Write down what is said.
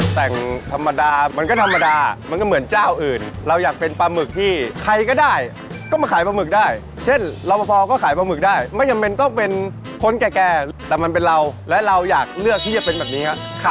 แต่งธรรมดามันก็ธรรมดามันก็เหมือนเจ้าอื่นเราอยากเป็นปลาหมึกที่ใครก็ได้ก็มาขายปลาหมึกได้เช่นรอปภก็ขายปลาหมึกได้ไม่จำเป็นต้องเป็นคนแก่แต่มันเป็นเราและเราอยากเลือกที่จะเป็นแบบนี้ครับ